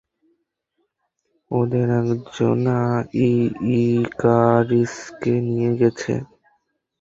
ওদের একজন ইকারিসকে নিয়ে গেছে।